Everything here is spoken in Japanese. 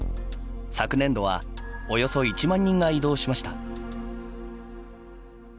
昨年度はおよそ１万人が移動しました。